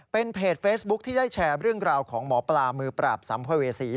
เป็นเพจเฟซบุ๊คที่ได้แชร์เรื่องราวของหมอปลามือปราบสัมภเวษี